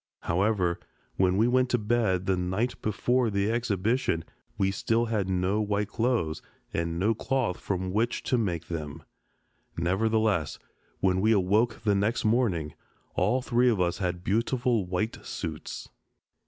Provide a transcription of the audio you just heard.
However, when we went to bed the night before the exhibition we still had no white clothes and no cloth from which to make them. Nevertheless, when we awoke the next morning, all three of us had beautiful white suits.